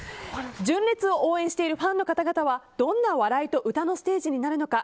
純烈を応援しているファンの方々はどんな笑いと歌のステージになるのか